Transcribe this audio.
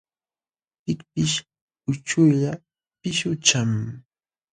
Pikpish uchuklla pishqucham.